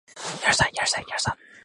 同受士人学子尊奉。